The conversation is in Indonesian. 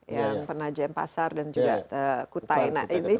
yang penajem pasar dan juga kutaina